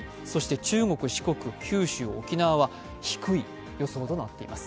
中国、四国、九州、沖縄は低い予想となっています。